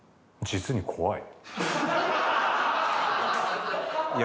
「実に怖い」？